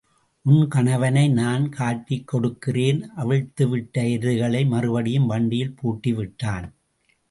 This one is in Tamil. உன் கணவனை நான் காட்டிக் கொடுக்கிறேன் அவிழ்த்துவிட்ட எருதுகளை மறுபடியும் வண்டியில் பூட்டி விட்டான்.